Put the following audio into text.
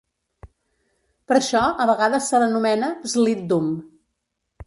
Per això a vegades se l'anomena "slit dum".